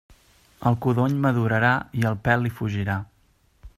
El codony madurarà i el pèl li fugirà.